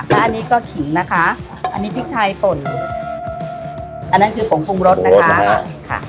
และอันนี้ก็ขิงนะคะอันนี้พริกไทยป่นอันนั้นคือผงปรุงรสนะคะค่ะ